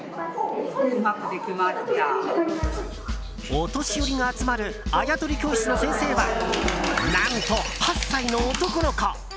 お年寄りが集まるあやとり教室の先生は何と８歳の男の子！